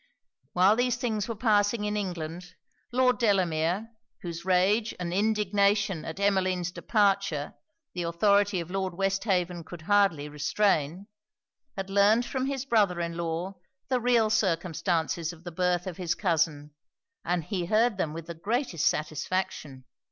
While these things were passing in England, Lord Delamere (whose rage and indignation at Emmeline's departure the authority of Lord Westhaven could hardly restrain) had learned from his brother in law the real circumstances of the birth of his cousin, and he heard them with the greatest satisfaction.